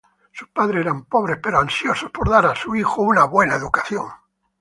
Sus padres eran pobres pero ansiosos por dar a su hijo una buena educación.